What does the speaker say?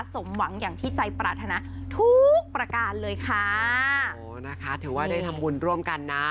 สมหวังอย่างที่ใจปรารถนาทุกประการเลยค่ะโอ้นะคะถือว่าได้ทำบุญร่วมกันนะ